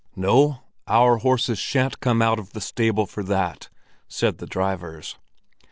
"No, our horses shan't come out of the stable for that!" said the drivers.